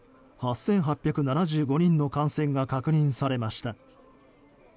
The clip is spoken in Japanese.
今日８８７５人の感染が確認されました。